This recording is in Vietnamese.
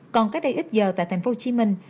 còn cách đây ít giờ tại thành phố hồ chí minh